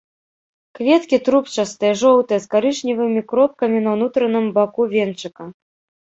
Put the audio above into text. Кветкі трубчастыя, жоўтыя, з карычневымі кропкамі на ўнутраным баку венчыка.